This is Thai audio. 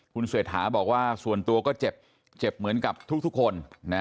คุณเศรษฐาบอกว่าส่วนตัวก็เจ็บเหมือนกับทุกคน